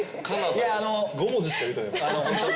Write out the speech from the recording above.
いやあの５文字しか言うてないっす